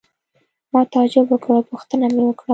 ما تعجب وکړ او پوښتنه مې وکړه.